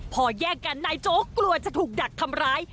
พอแยกกันนายโจ๊กกลัวจะถูกดักทำร้าย